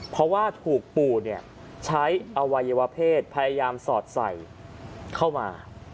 เพราะว่าถูกปู่ใช้อวัยวะเพศพยายามสอดใส่เข้ามา